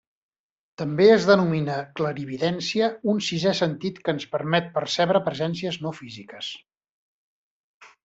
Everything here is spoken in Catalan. També es denomina clarividència un sisè sentit que ens permet percebre presències no físiques.